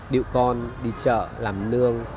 điệu con đi chợ làm nương